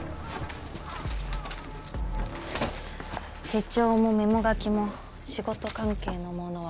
手帳もメモ書きも仕事関係のものはほとんどない。